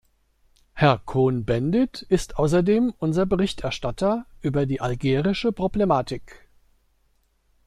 Herr Cohn-Bendit ist außerdem unser Berichterstatter über die algerische Problematik.